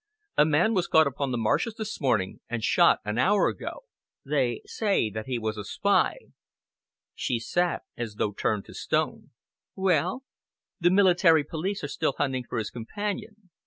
"A man was caught upon the marshes this morning and shot an hour ago. They say that he was a spy." She sat as though turned to stone. "Well?" "The military police are still hunting for his companion.